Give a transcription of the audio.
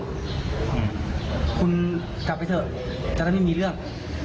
เอ่อคนกับไปเถอะแต่ไม่มีเรื่อง